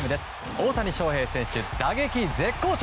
大谷翔平選手は打撃絶好調。